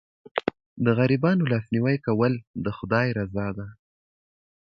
د غریبانو لاسنیوی کول د خدای رضا ده.